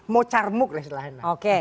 mau carmuk lah